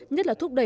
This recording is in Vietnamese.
nhất là thúc đẩy